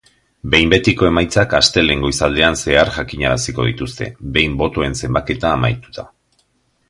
Behin betiko emaitzak astelehen goizaldean zehar jakinaraziko dituzte, behin botoen zenbaketa amaituta.